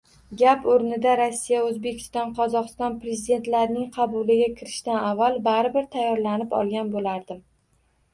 Gap oʻrnida, Rossiya, Oʻzbekiston, Qozogʻiston prezidentlarining qabuliga kirishdan avval baribir tayyorlanib olgan boʻlardim